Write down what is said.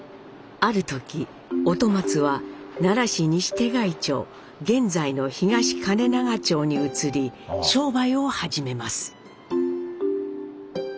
ある時音松は奈良市西手貝町現在の東包永町に移り商売を始めます。